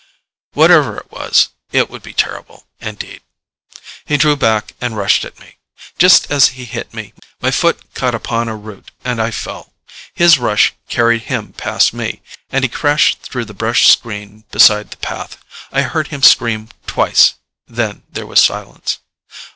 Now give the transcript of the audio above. Whatever it was, it would be terrible, indeed. He drew back and rushed at me. Just as he hit me, my foot caught upon a root, and I fell. His rush carried him past me, and he crashed through the brush screen beside the path. I heard him scream twice, then there was silence.